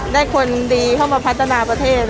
คนดีเข้ามาพัฒนาประเทศ